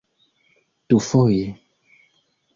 dufoje